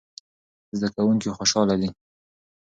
زده کوونکي خوشاله دي.